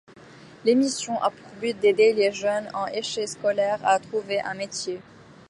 L'émission a pour but d'aider les jeunes en échec scolaire à trouver un métier.